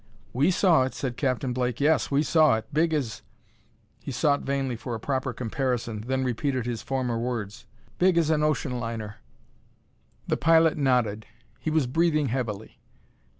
"We saw it," said Captain Blake; "yes, we saw it. Big as " He sought vainly for a proper comparison, then repeated his former words: "Big as an ocean liner!" The pilot nodded; he was breathing heavily.